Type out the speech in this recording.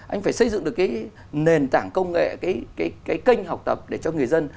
anh phải xây dựng được cái nền tảng công nghệ cái kênh học tập để cho người dân